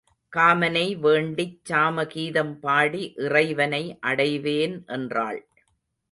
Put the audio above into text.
காமனை வேண்டிச் சாமகீதம் பாடி இறைவனை அடைவேன் என்றாள்.